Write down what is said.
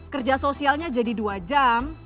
kerja sosialnya jadi dua jam